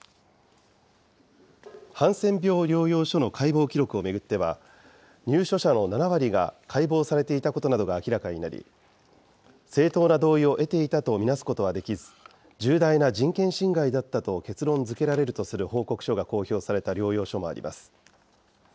ハンセン病療養所の解剖記録を巡っては、入所者の７割が解剖されていたことなどが明らかになり、正当な同意を得ていたと見なすことはできず、重大な人権侵害だったと結論づけられるとする報告書が公表された療養所もあります。